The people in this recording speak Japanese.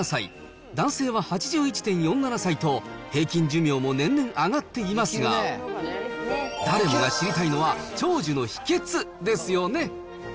女性は８７．５７歳、男性は８１．４７歳と、平均寿命も年々上がっていますが、誰もが知りたいのは長寿の秘けつですよね。